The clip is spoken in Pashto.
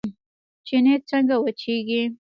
چينې څنګه وچیږي؟